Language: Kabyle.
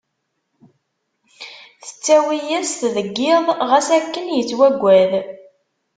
Tettawi-yas-t deg iḍ, ɣas akken yettwaggad.